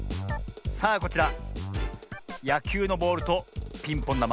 さあこちらやきゅうのボールとピンポンだま